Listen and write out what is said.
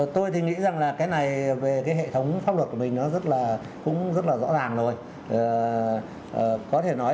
tôi đang nói về cái cột thôi